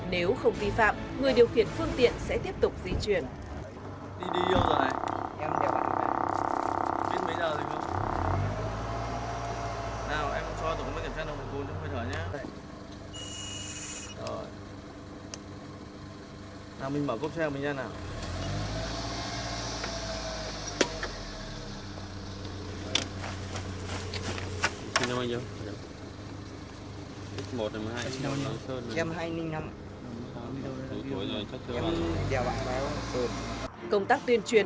nếu không vi phạm người điều khiển phương tiện sẽ tiếp tục di chuyển